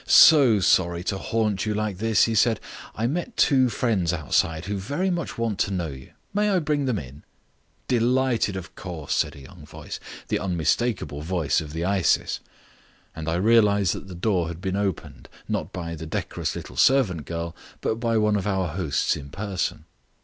"So sorry to haunt you like this," he said. "I met two friends outside who very much want to know you. May I bring them in?" "Delighted, of course," said a young voice, the unmistakable voice of the Isis, and I realized that the door had been opened, not by the decorous little servant girl, but by one of our hosts in person.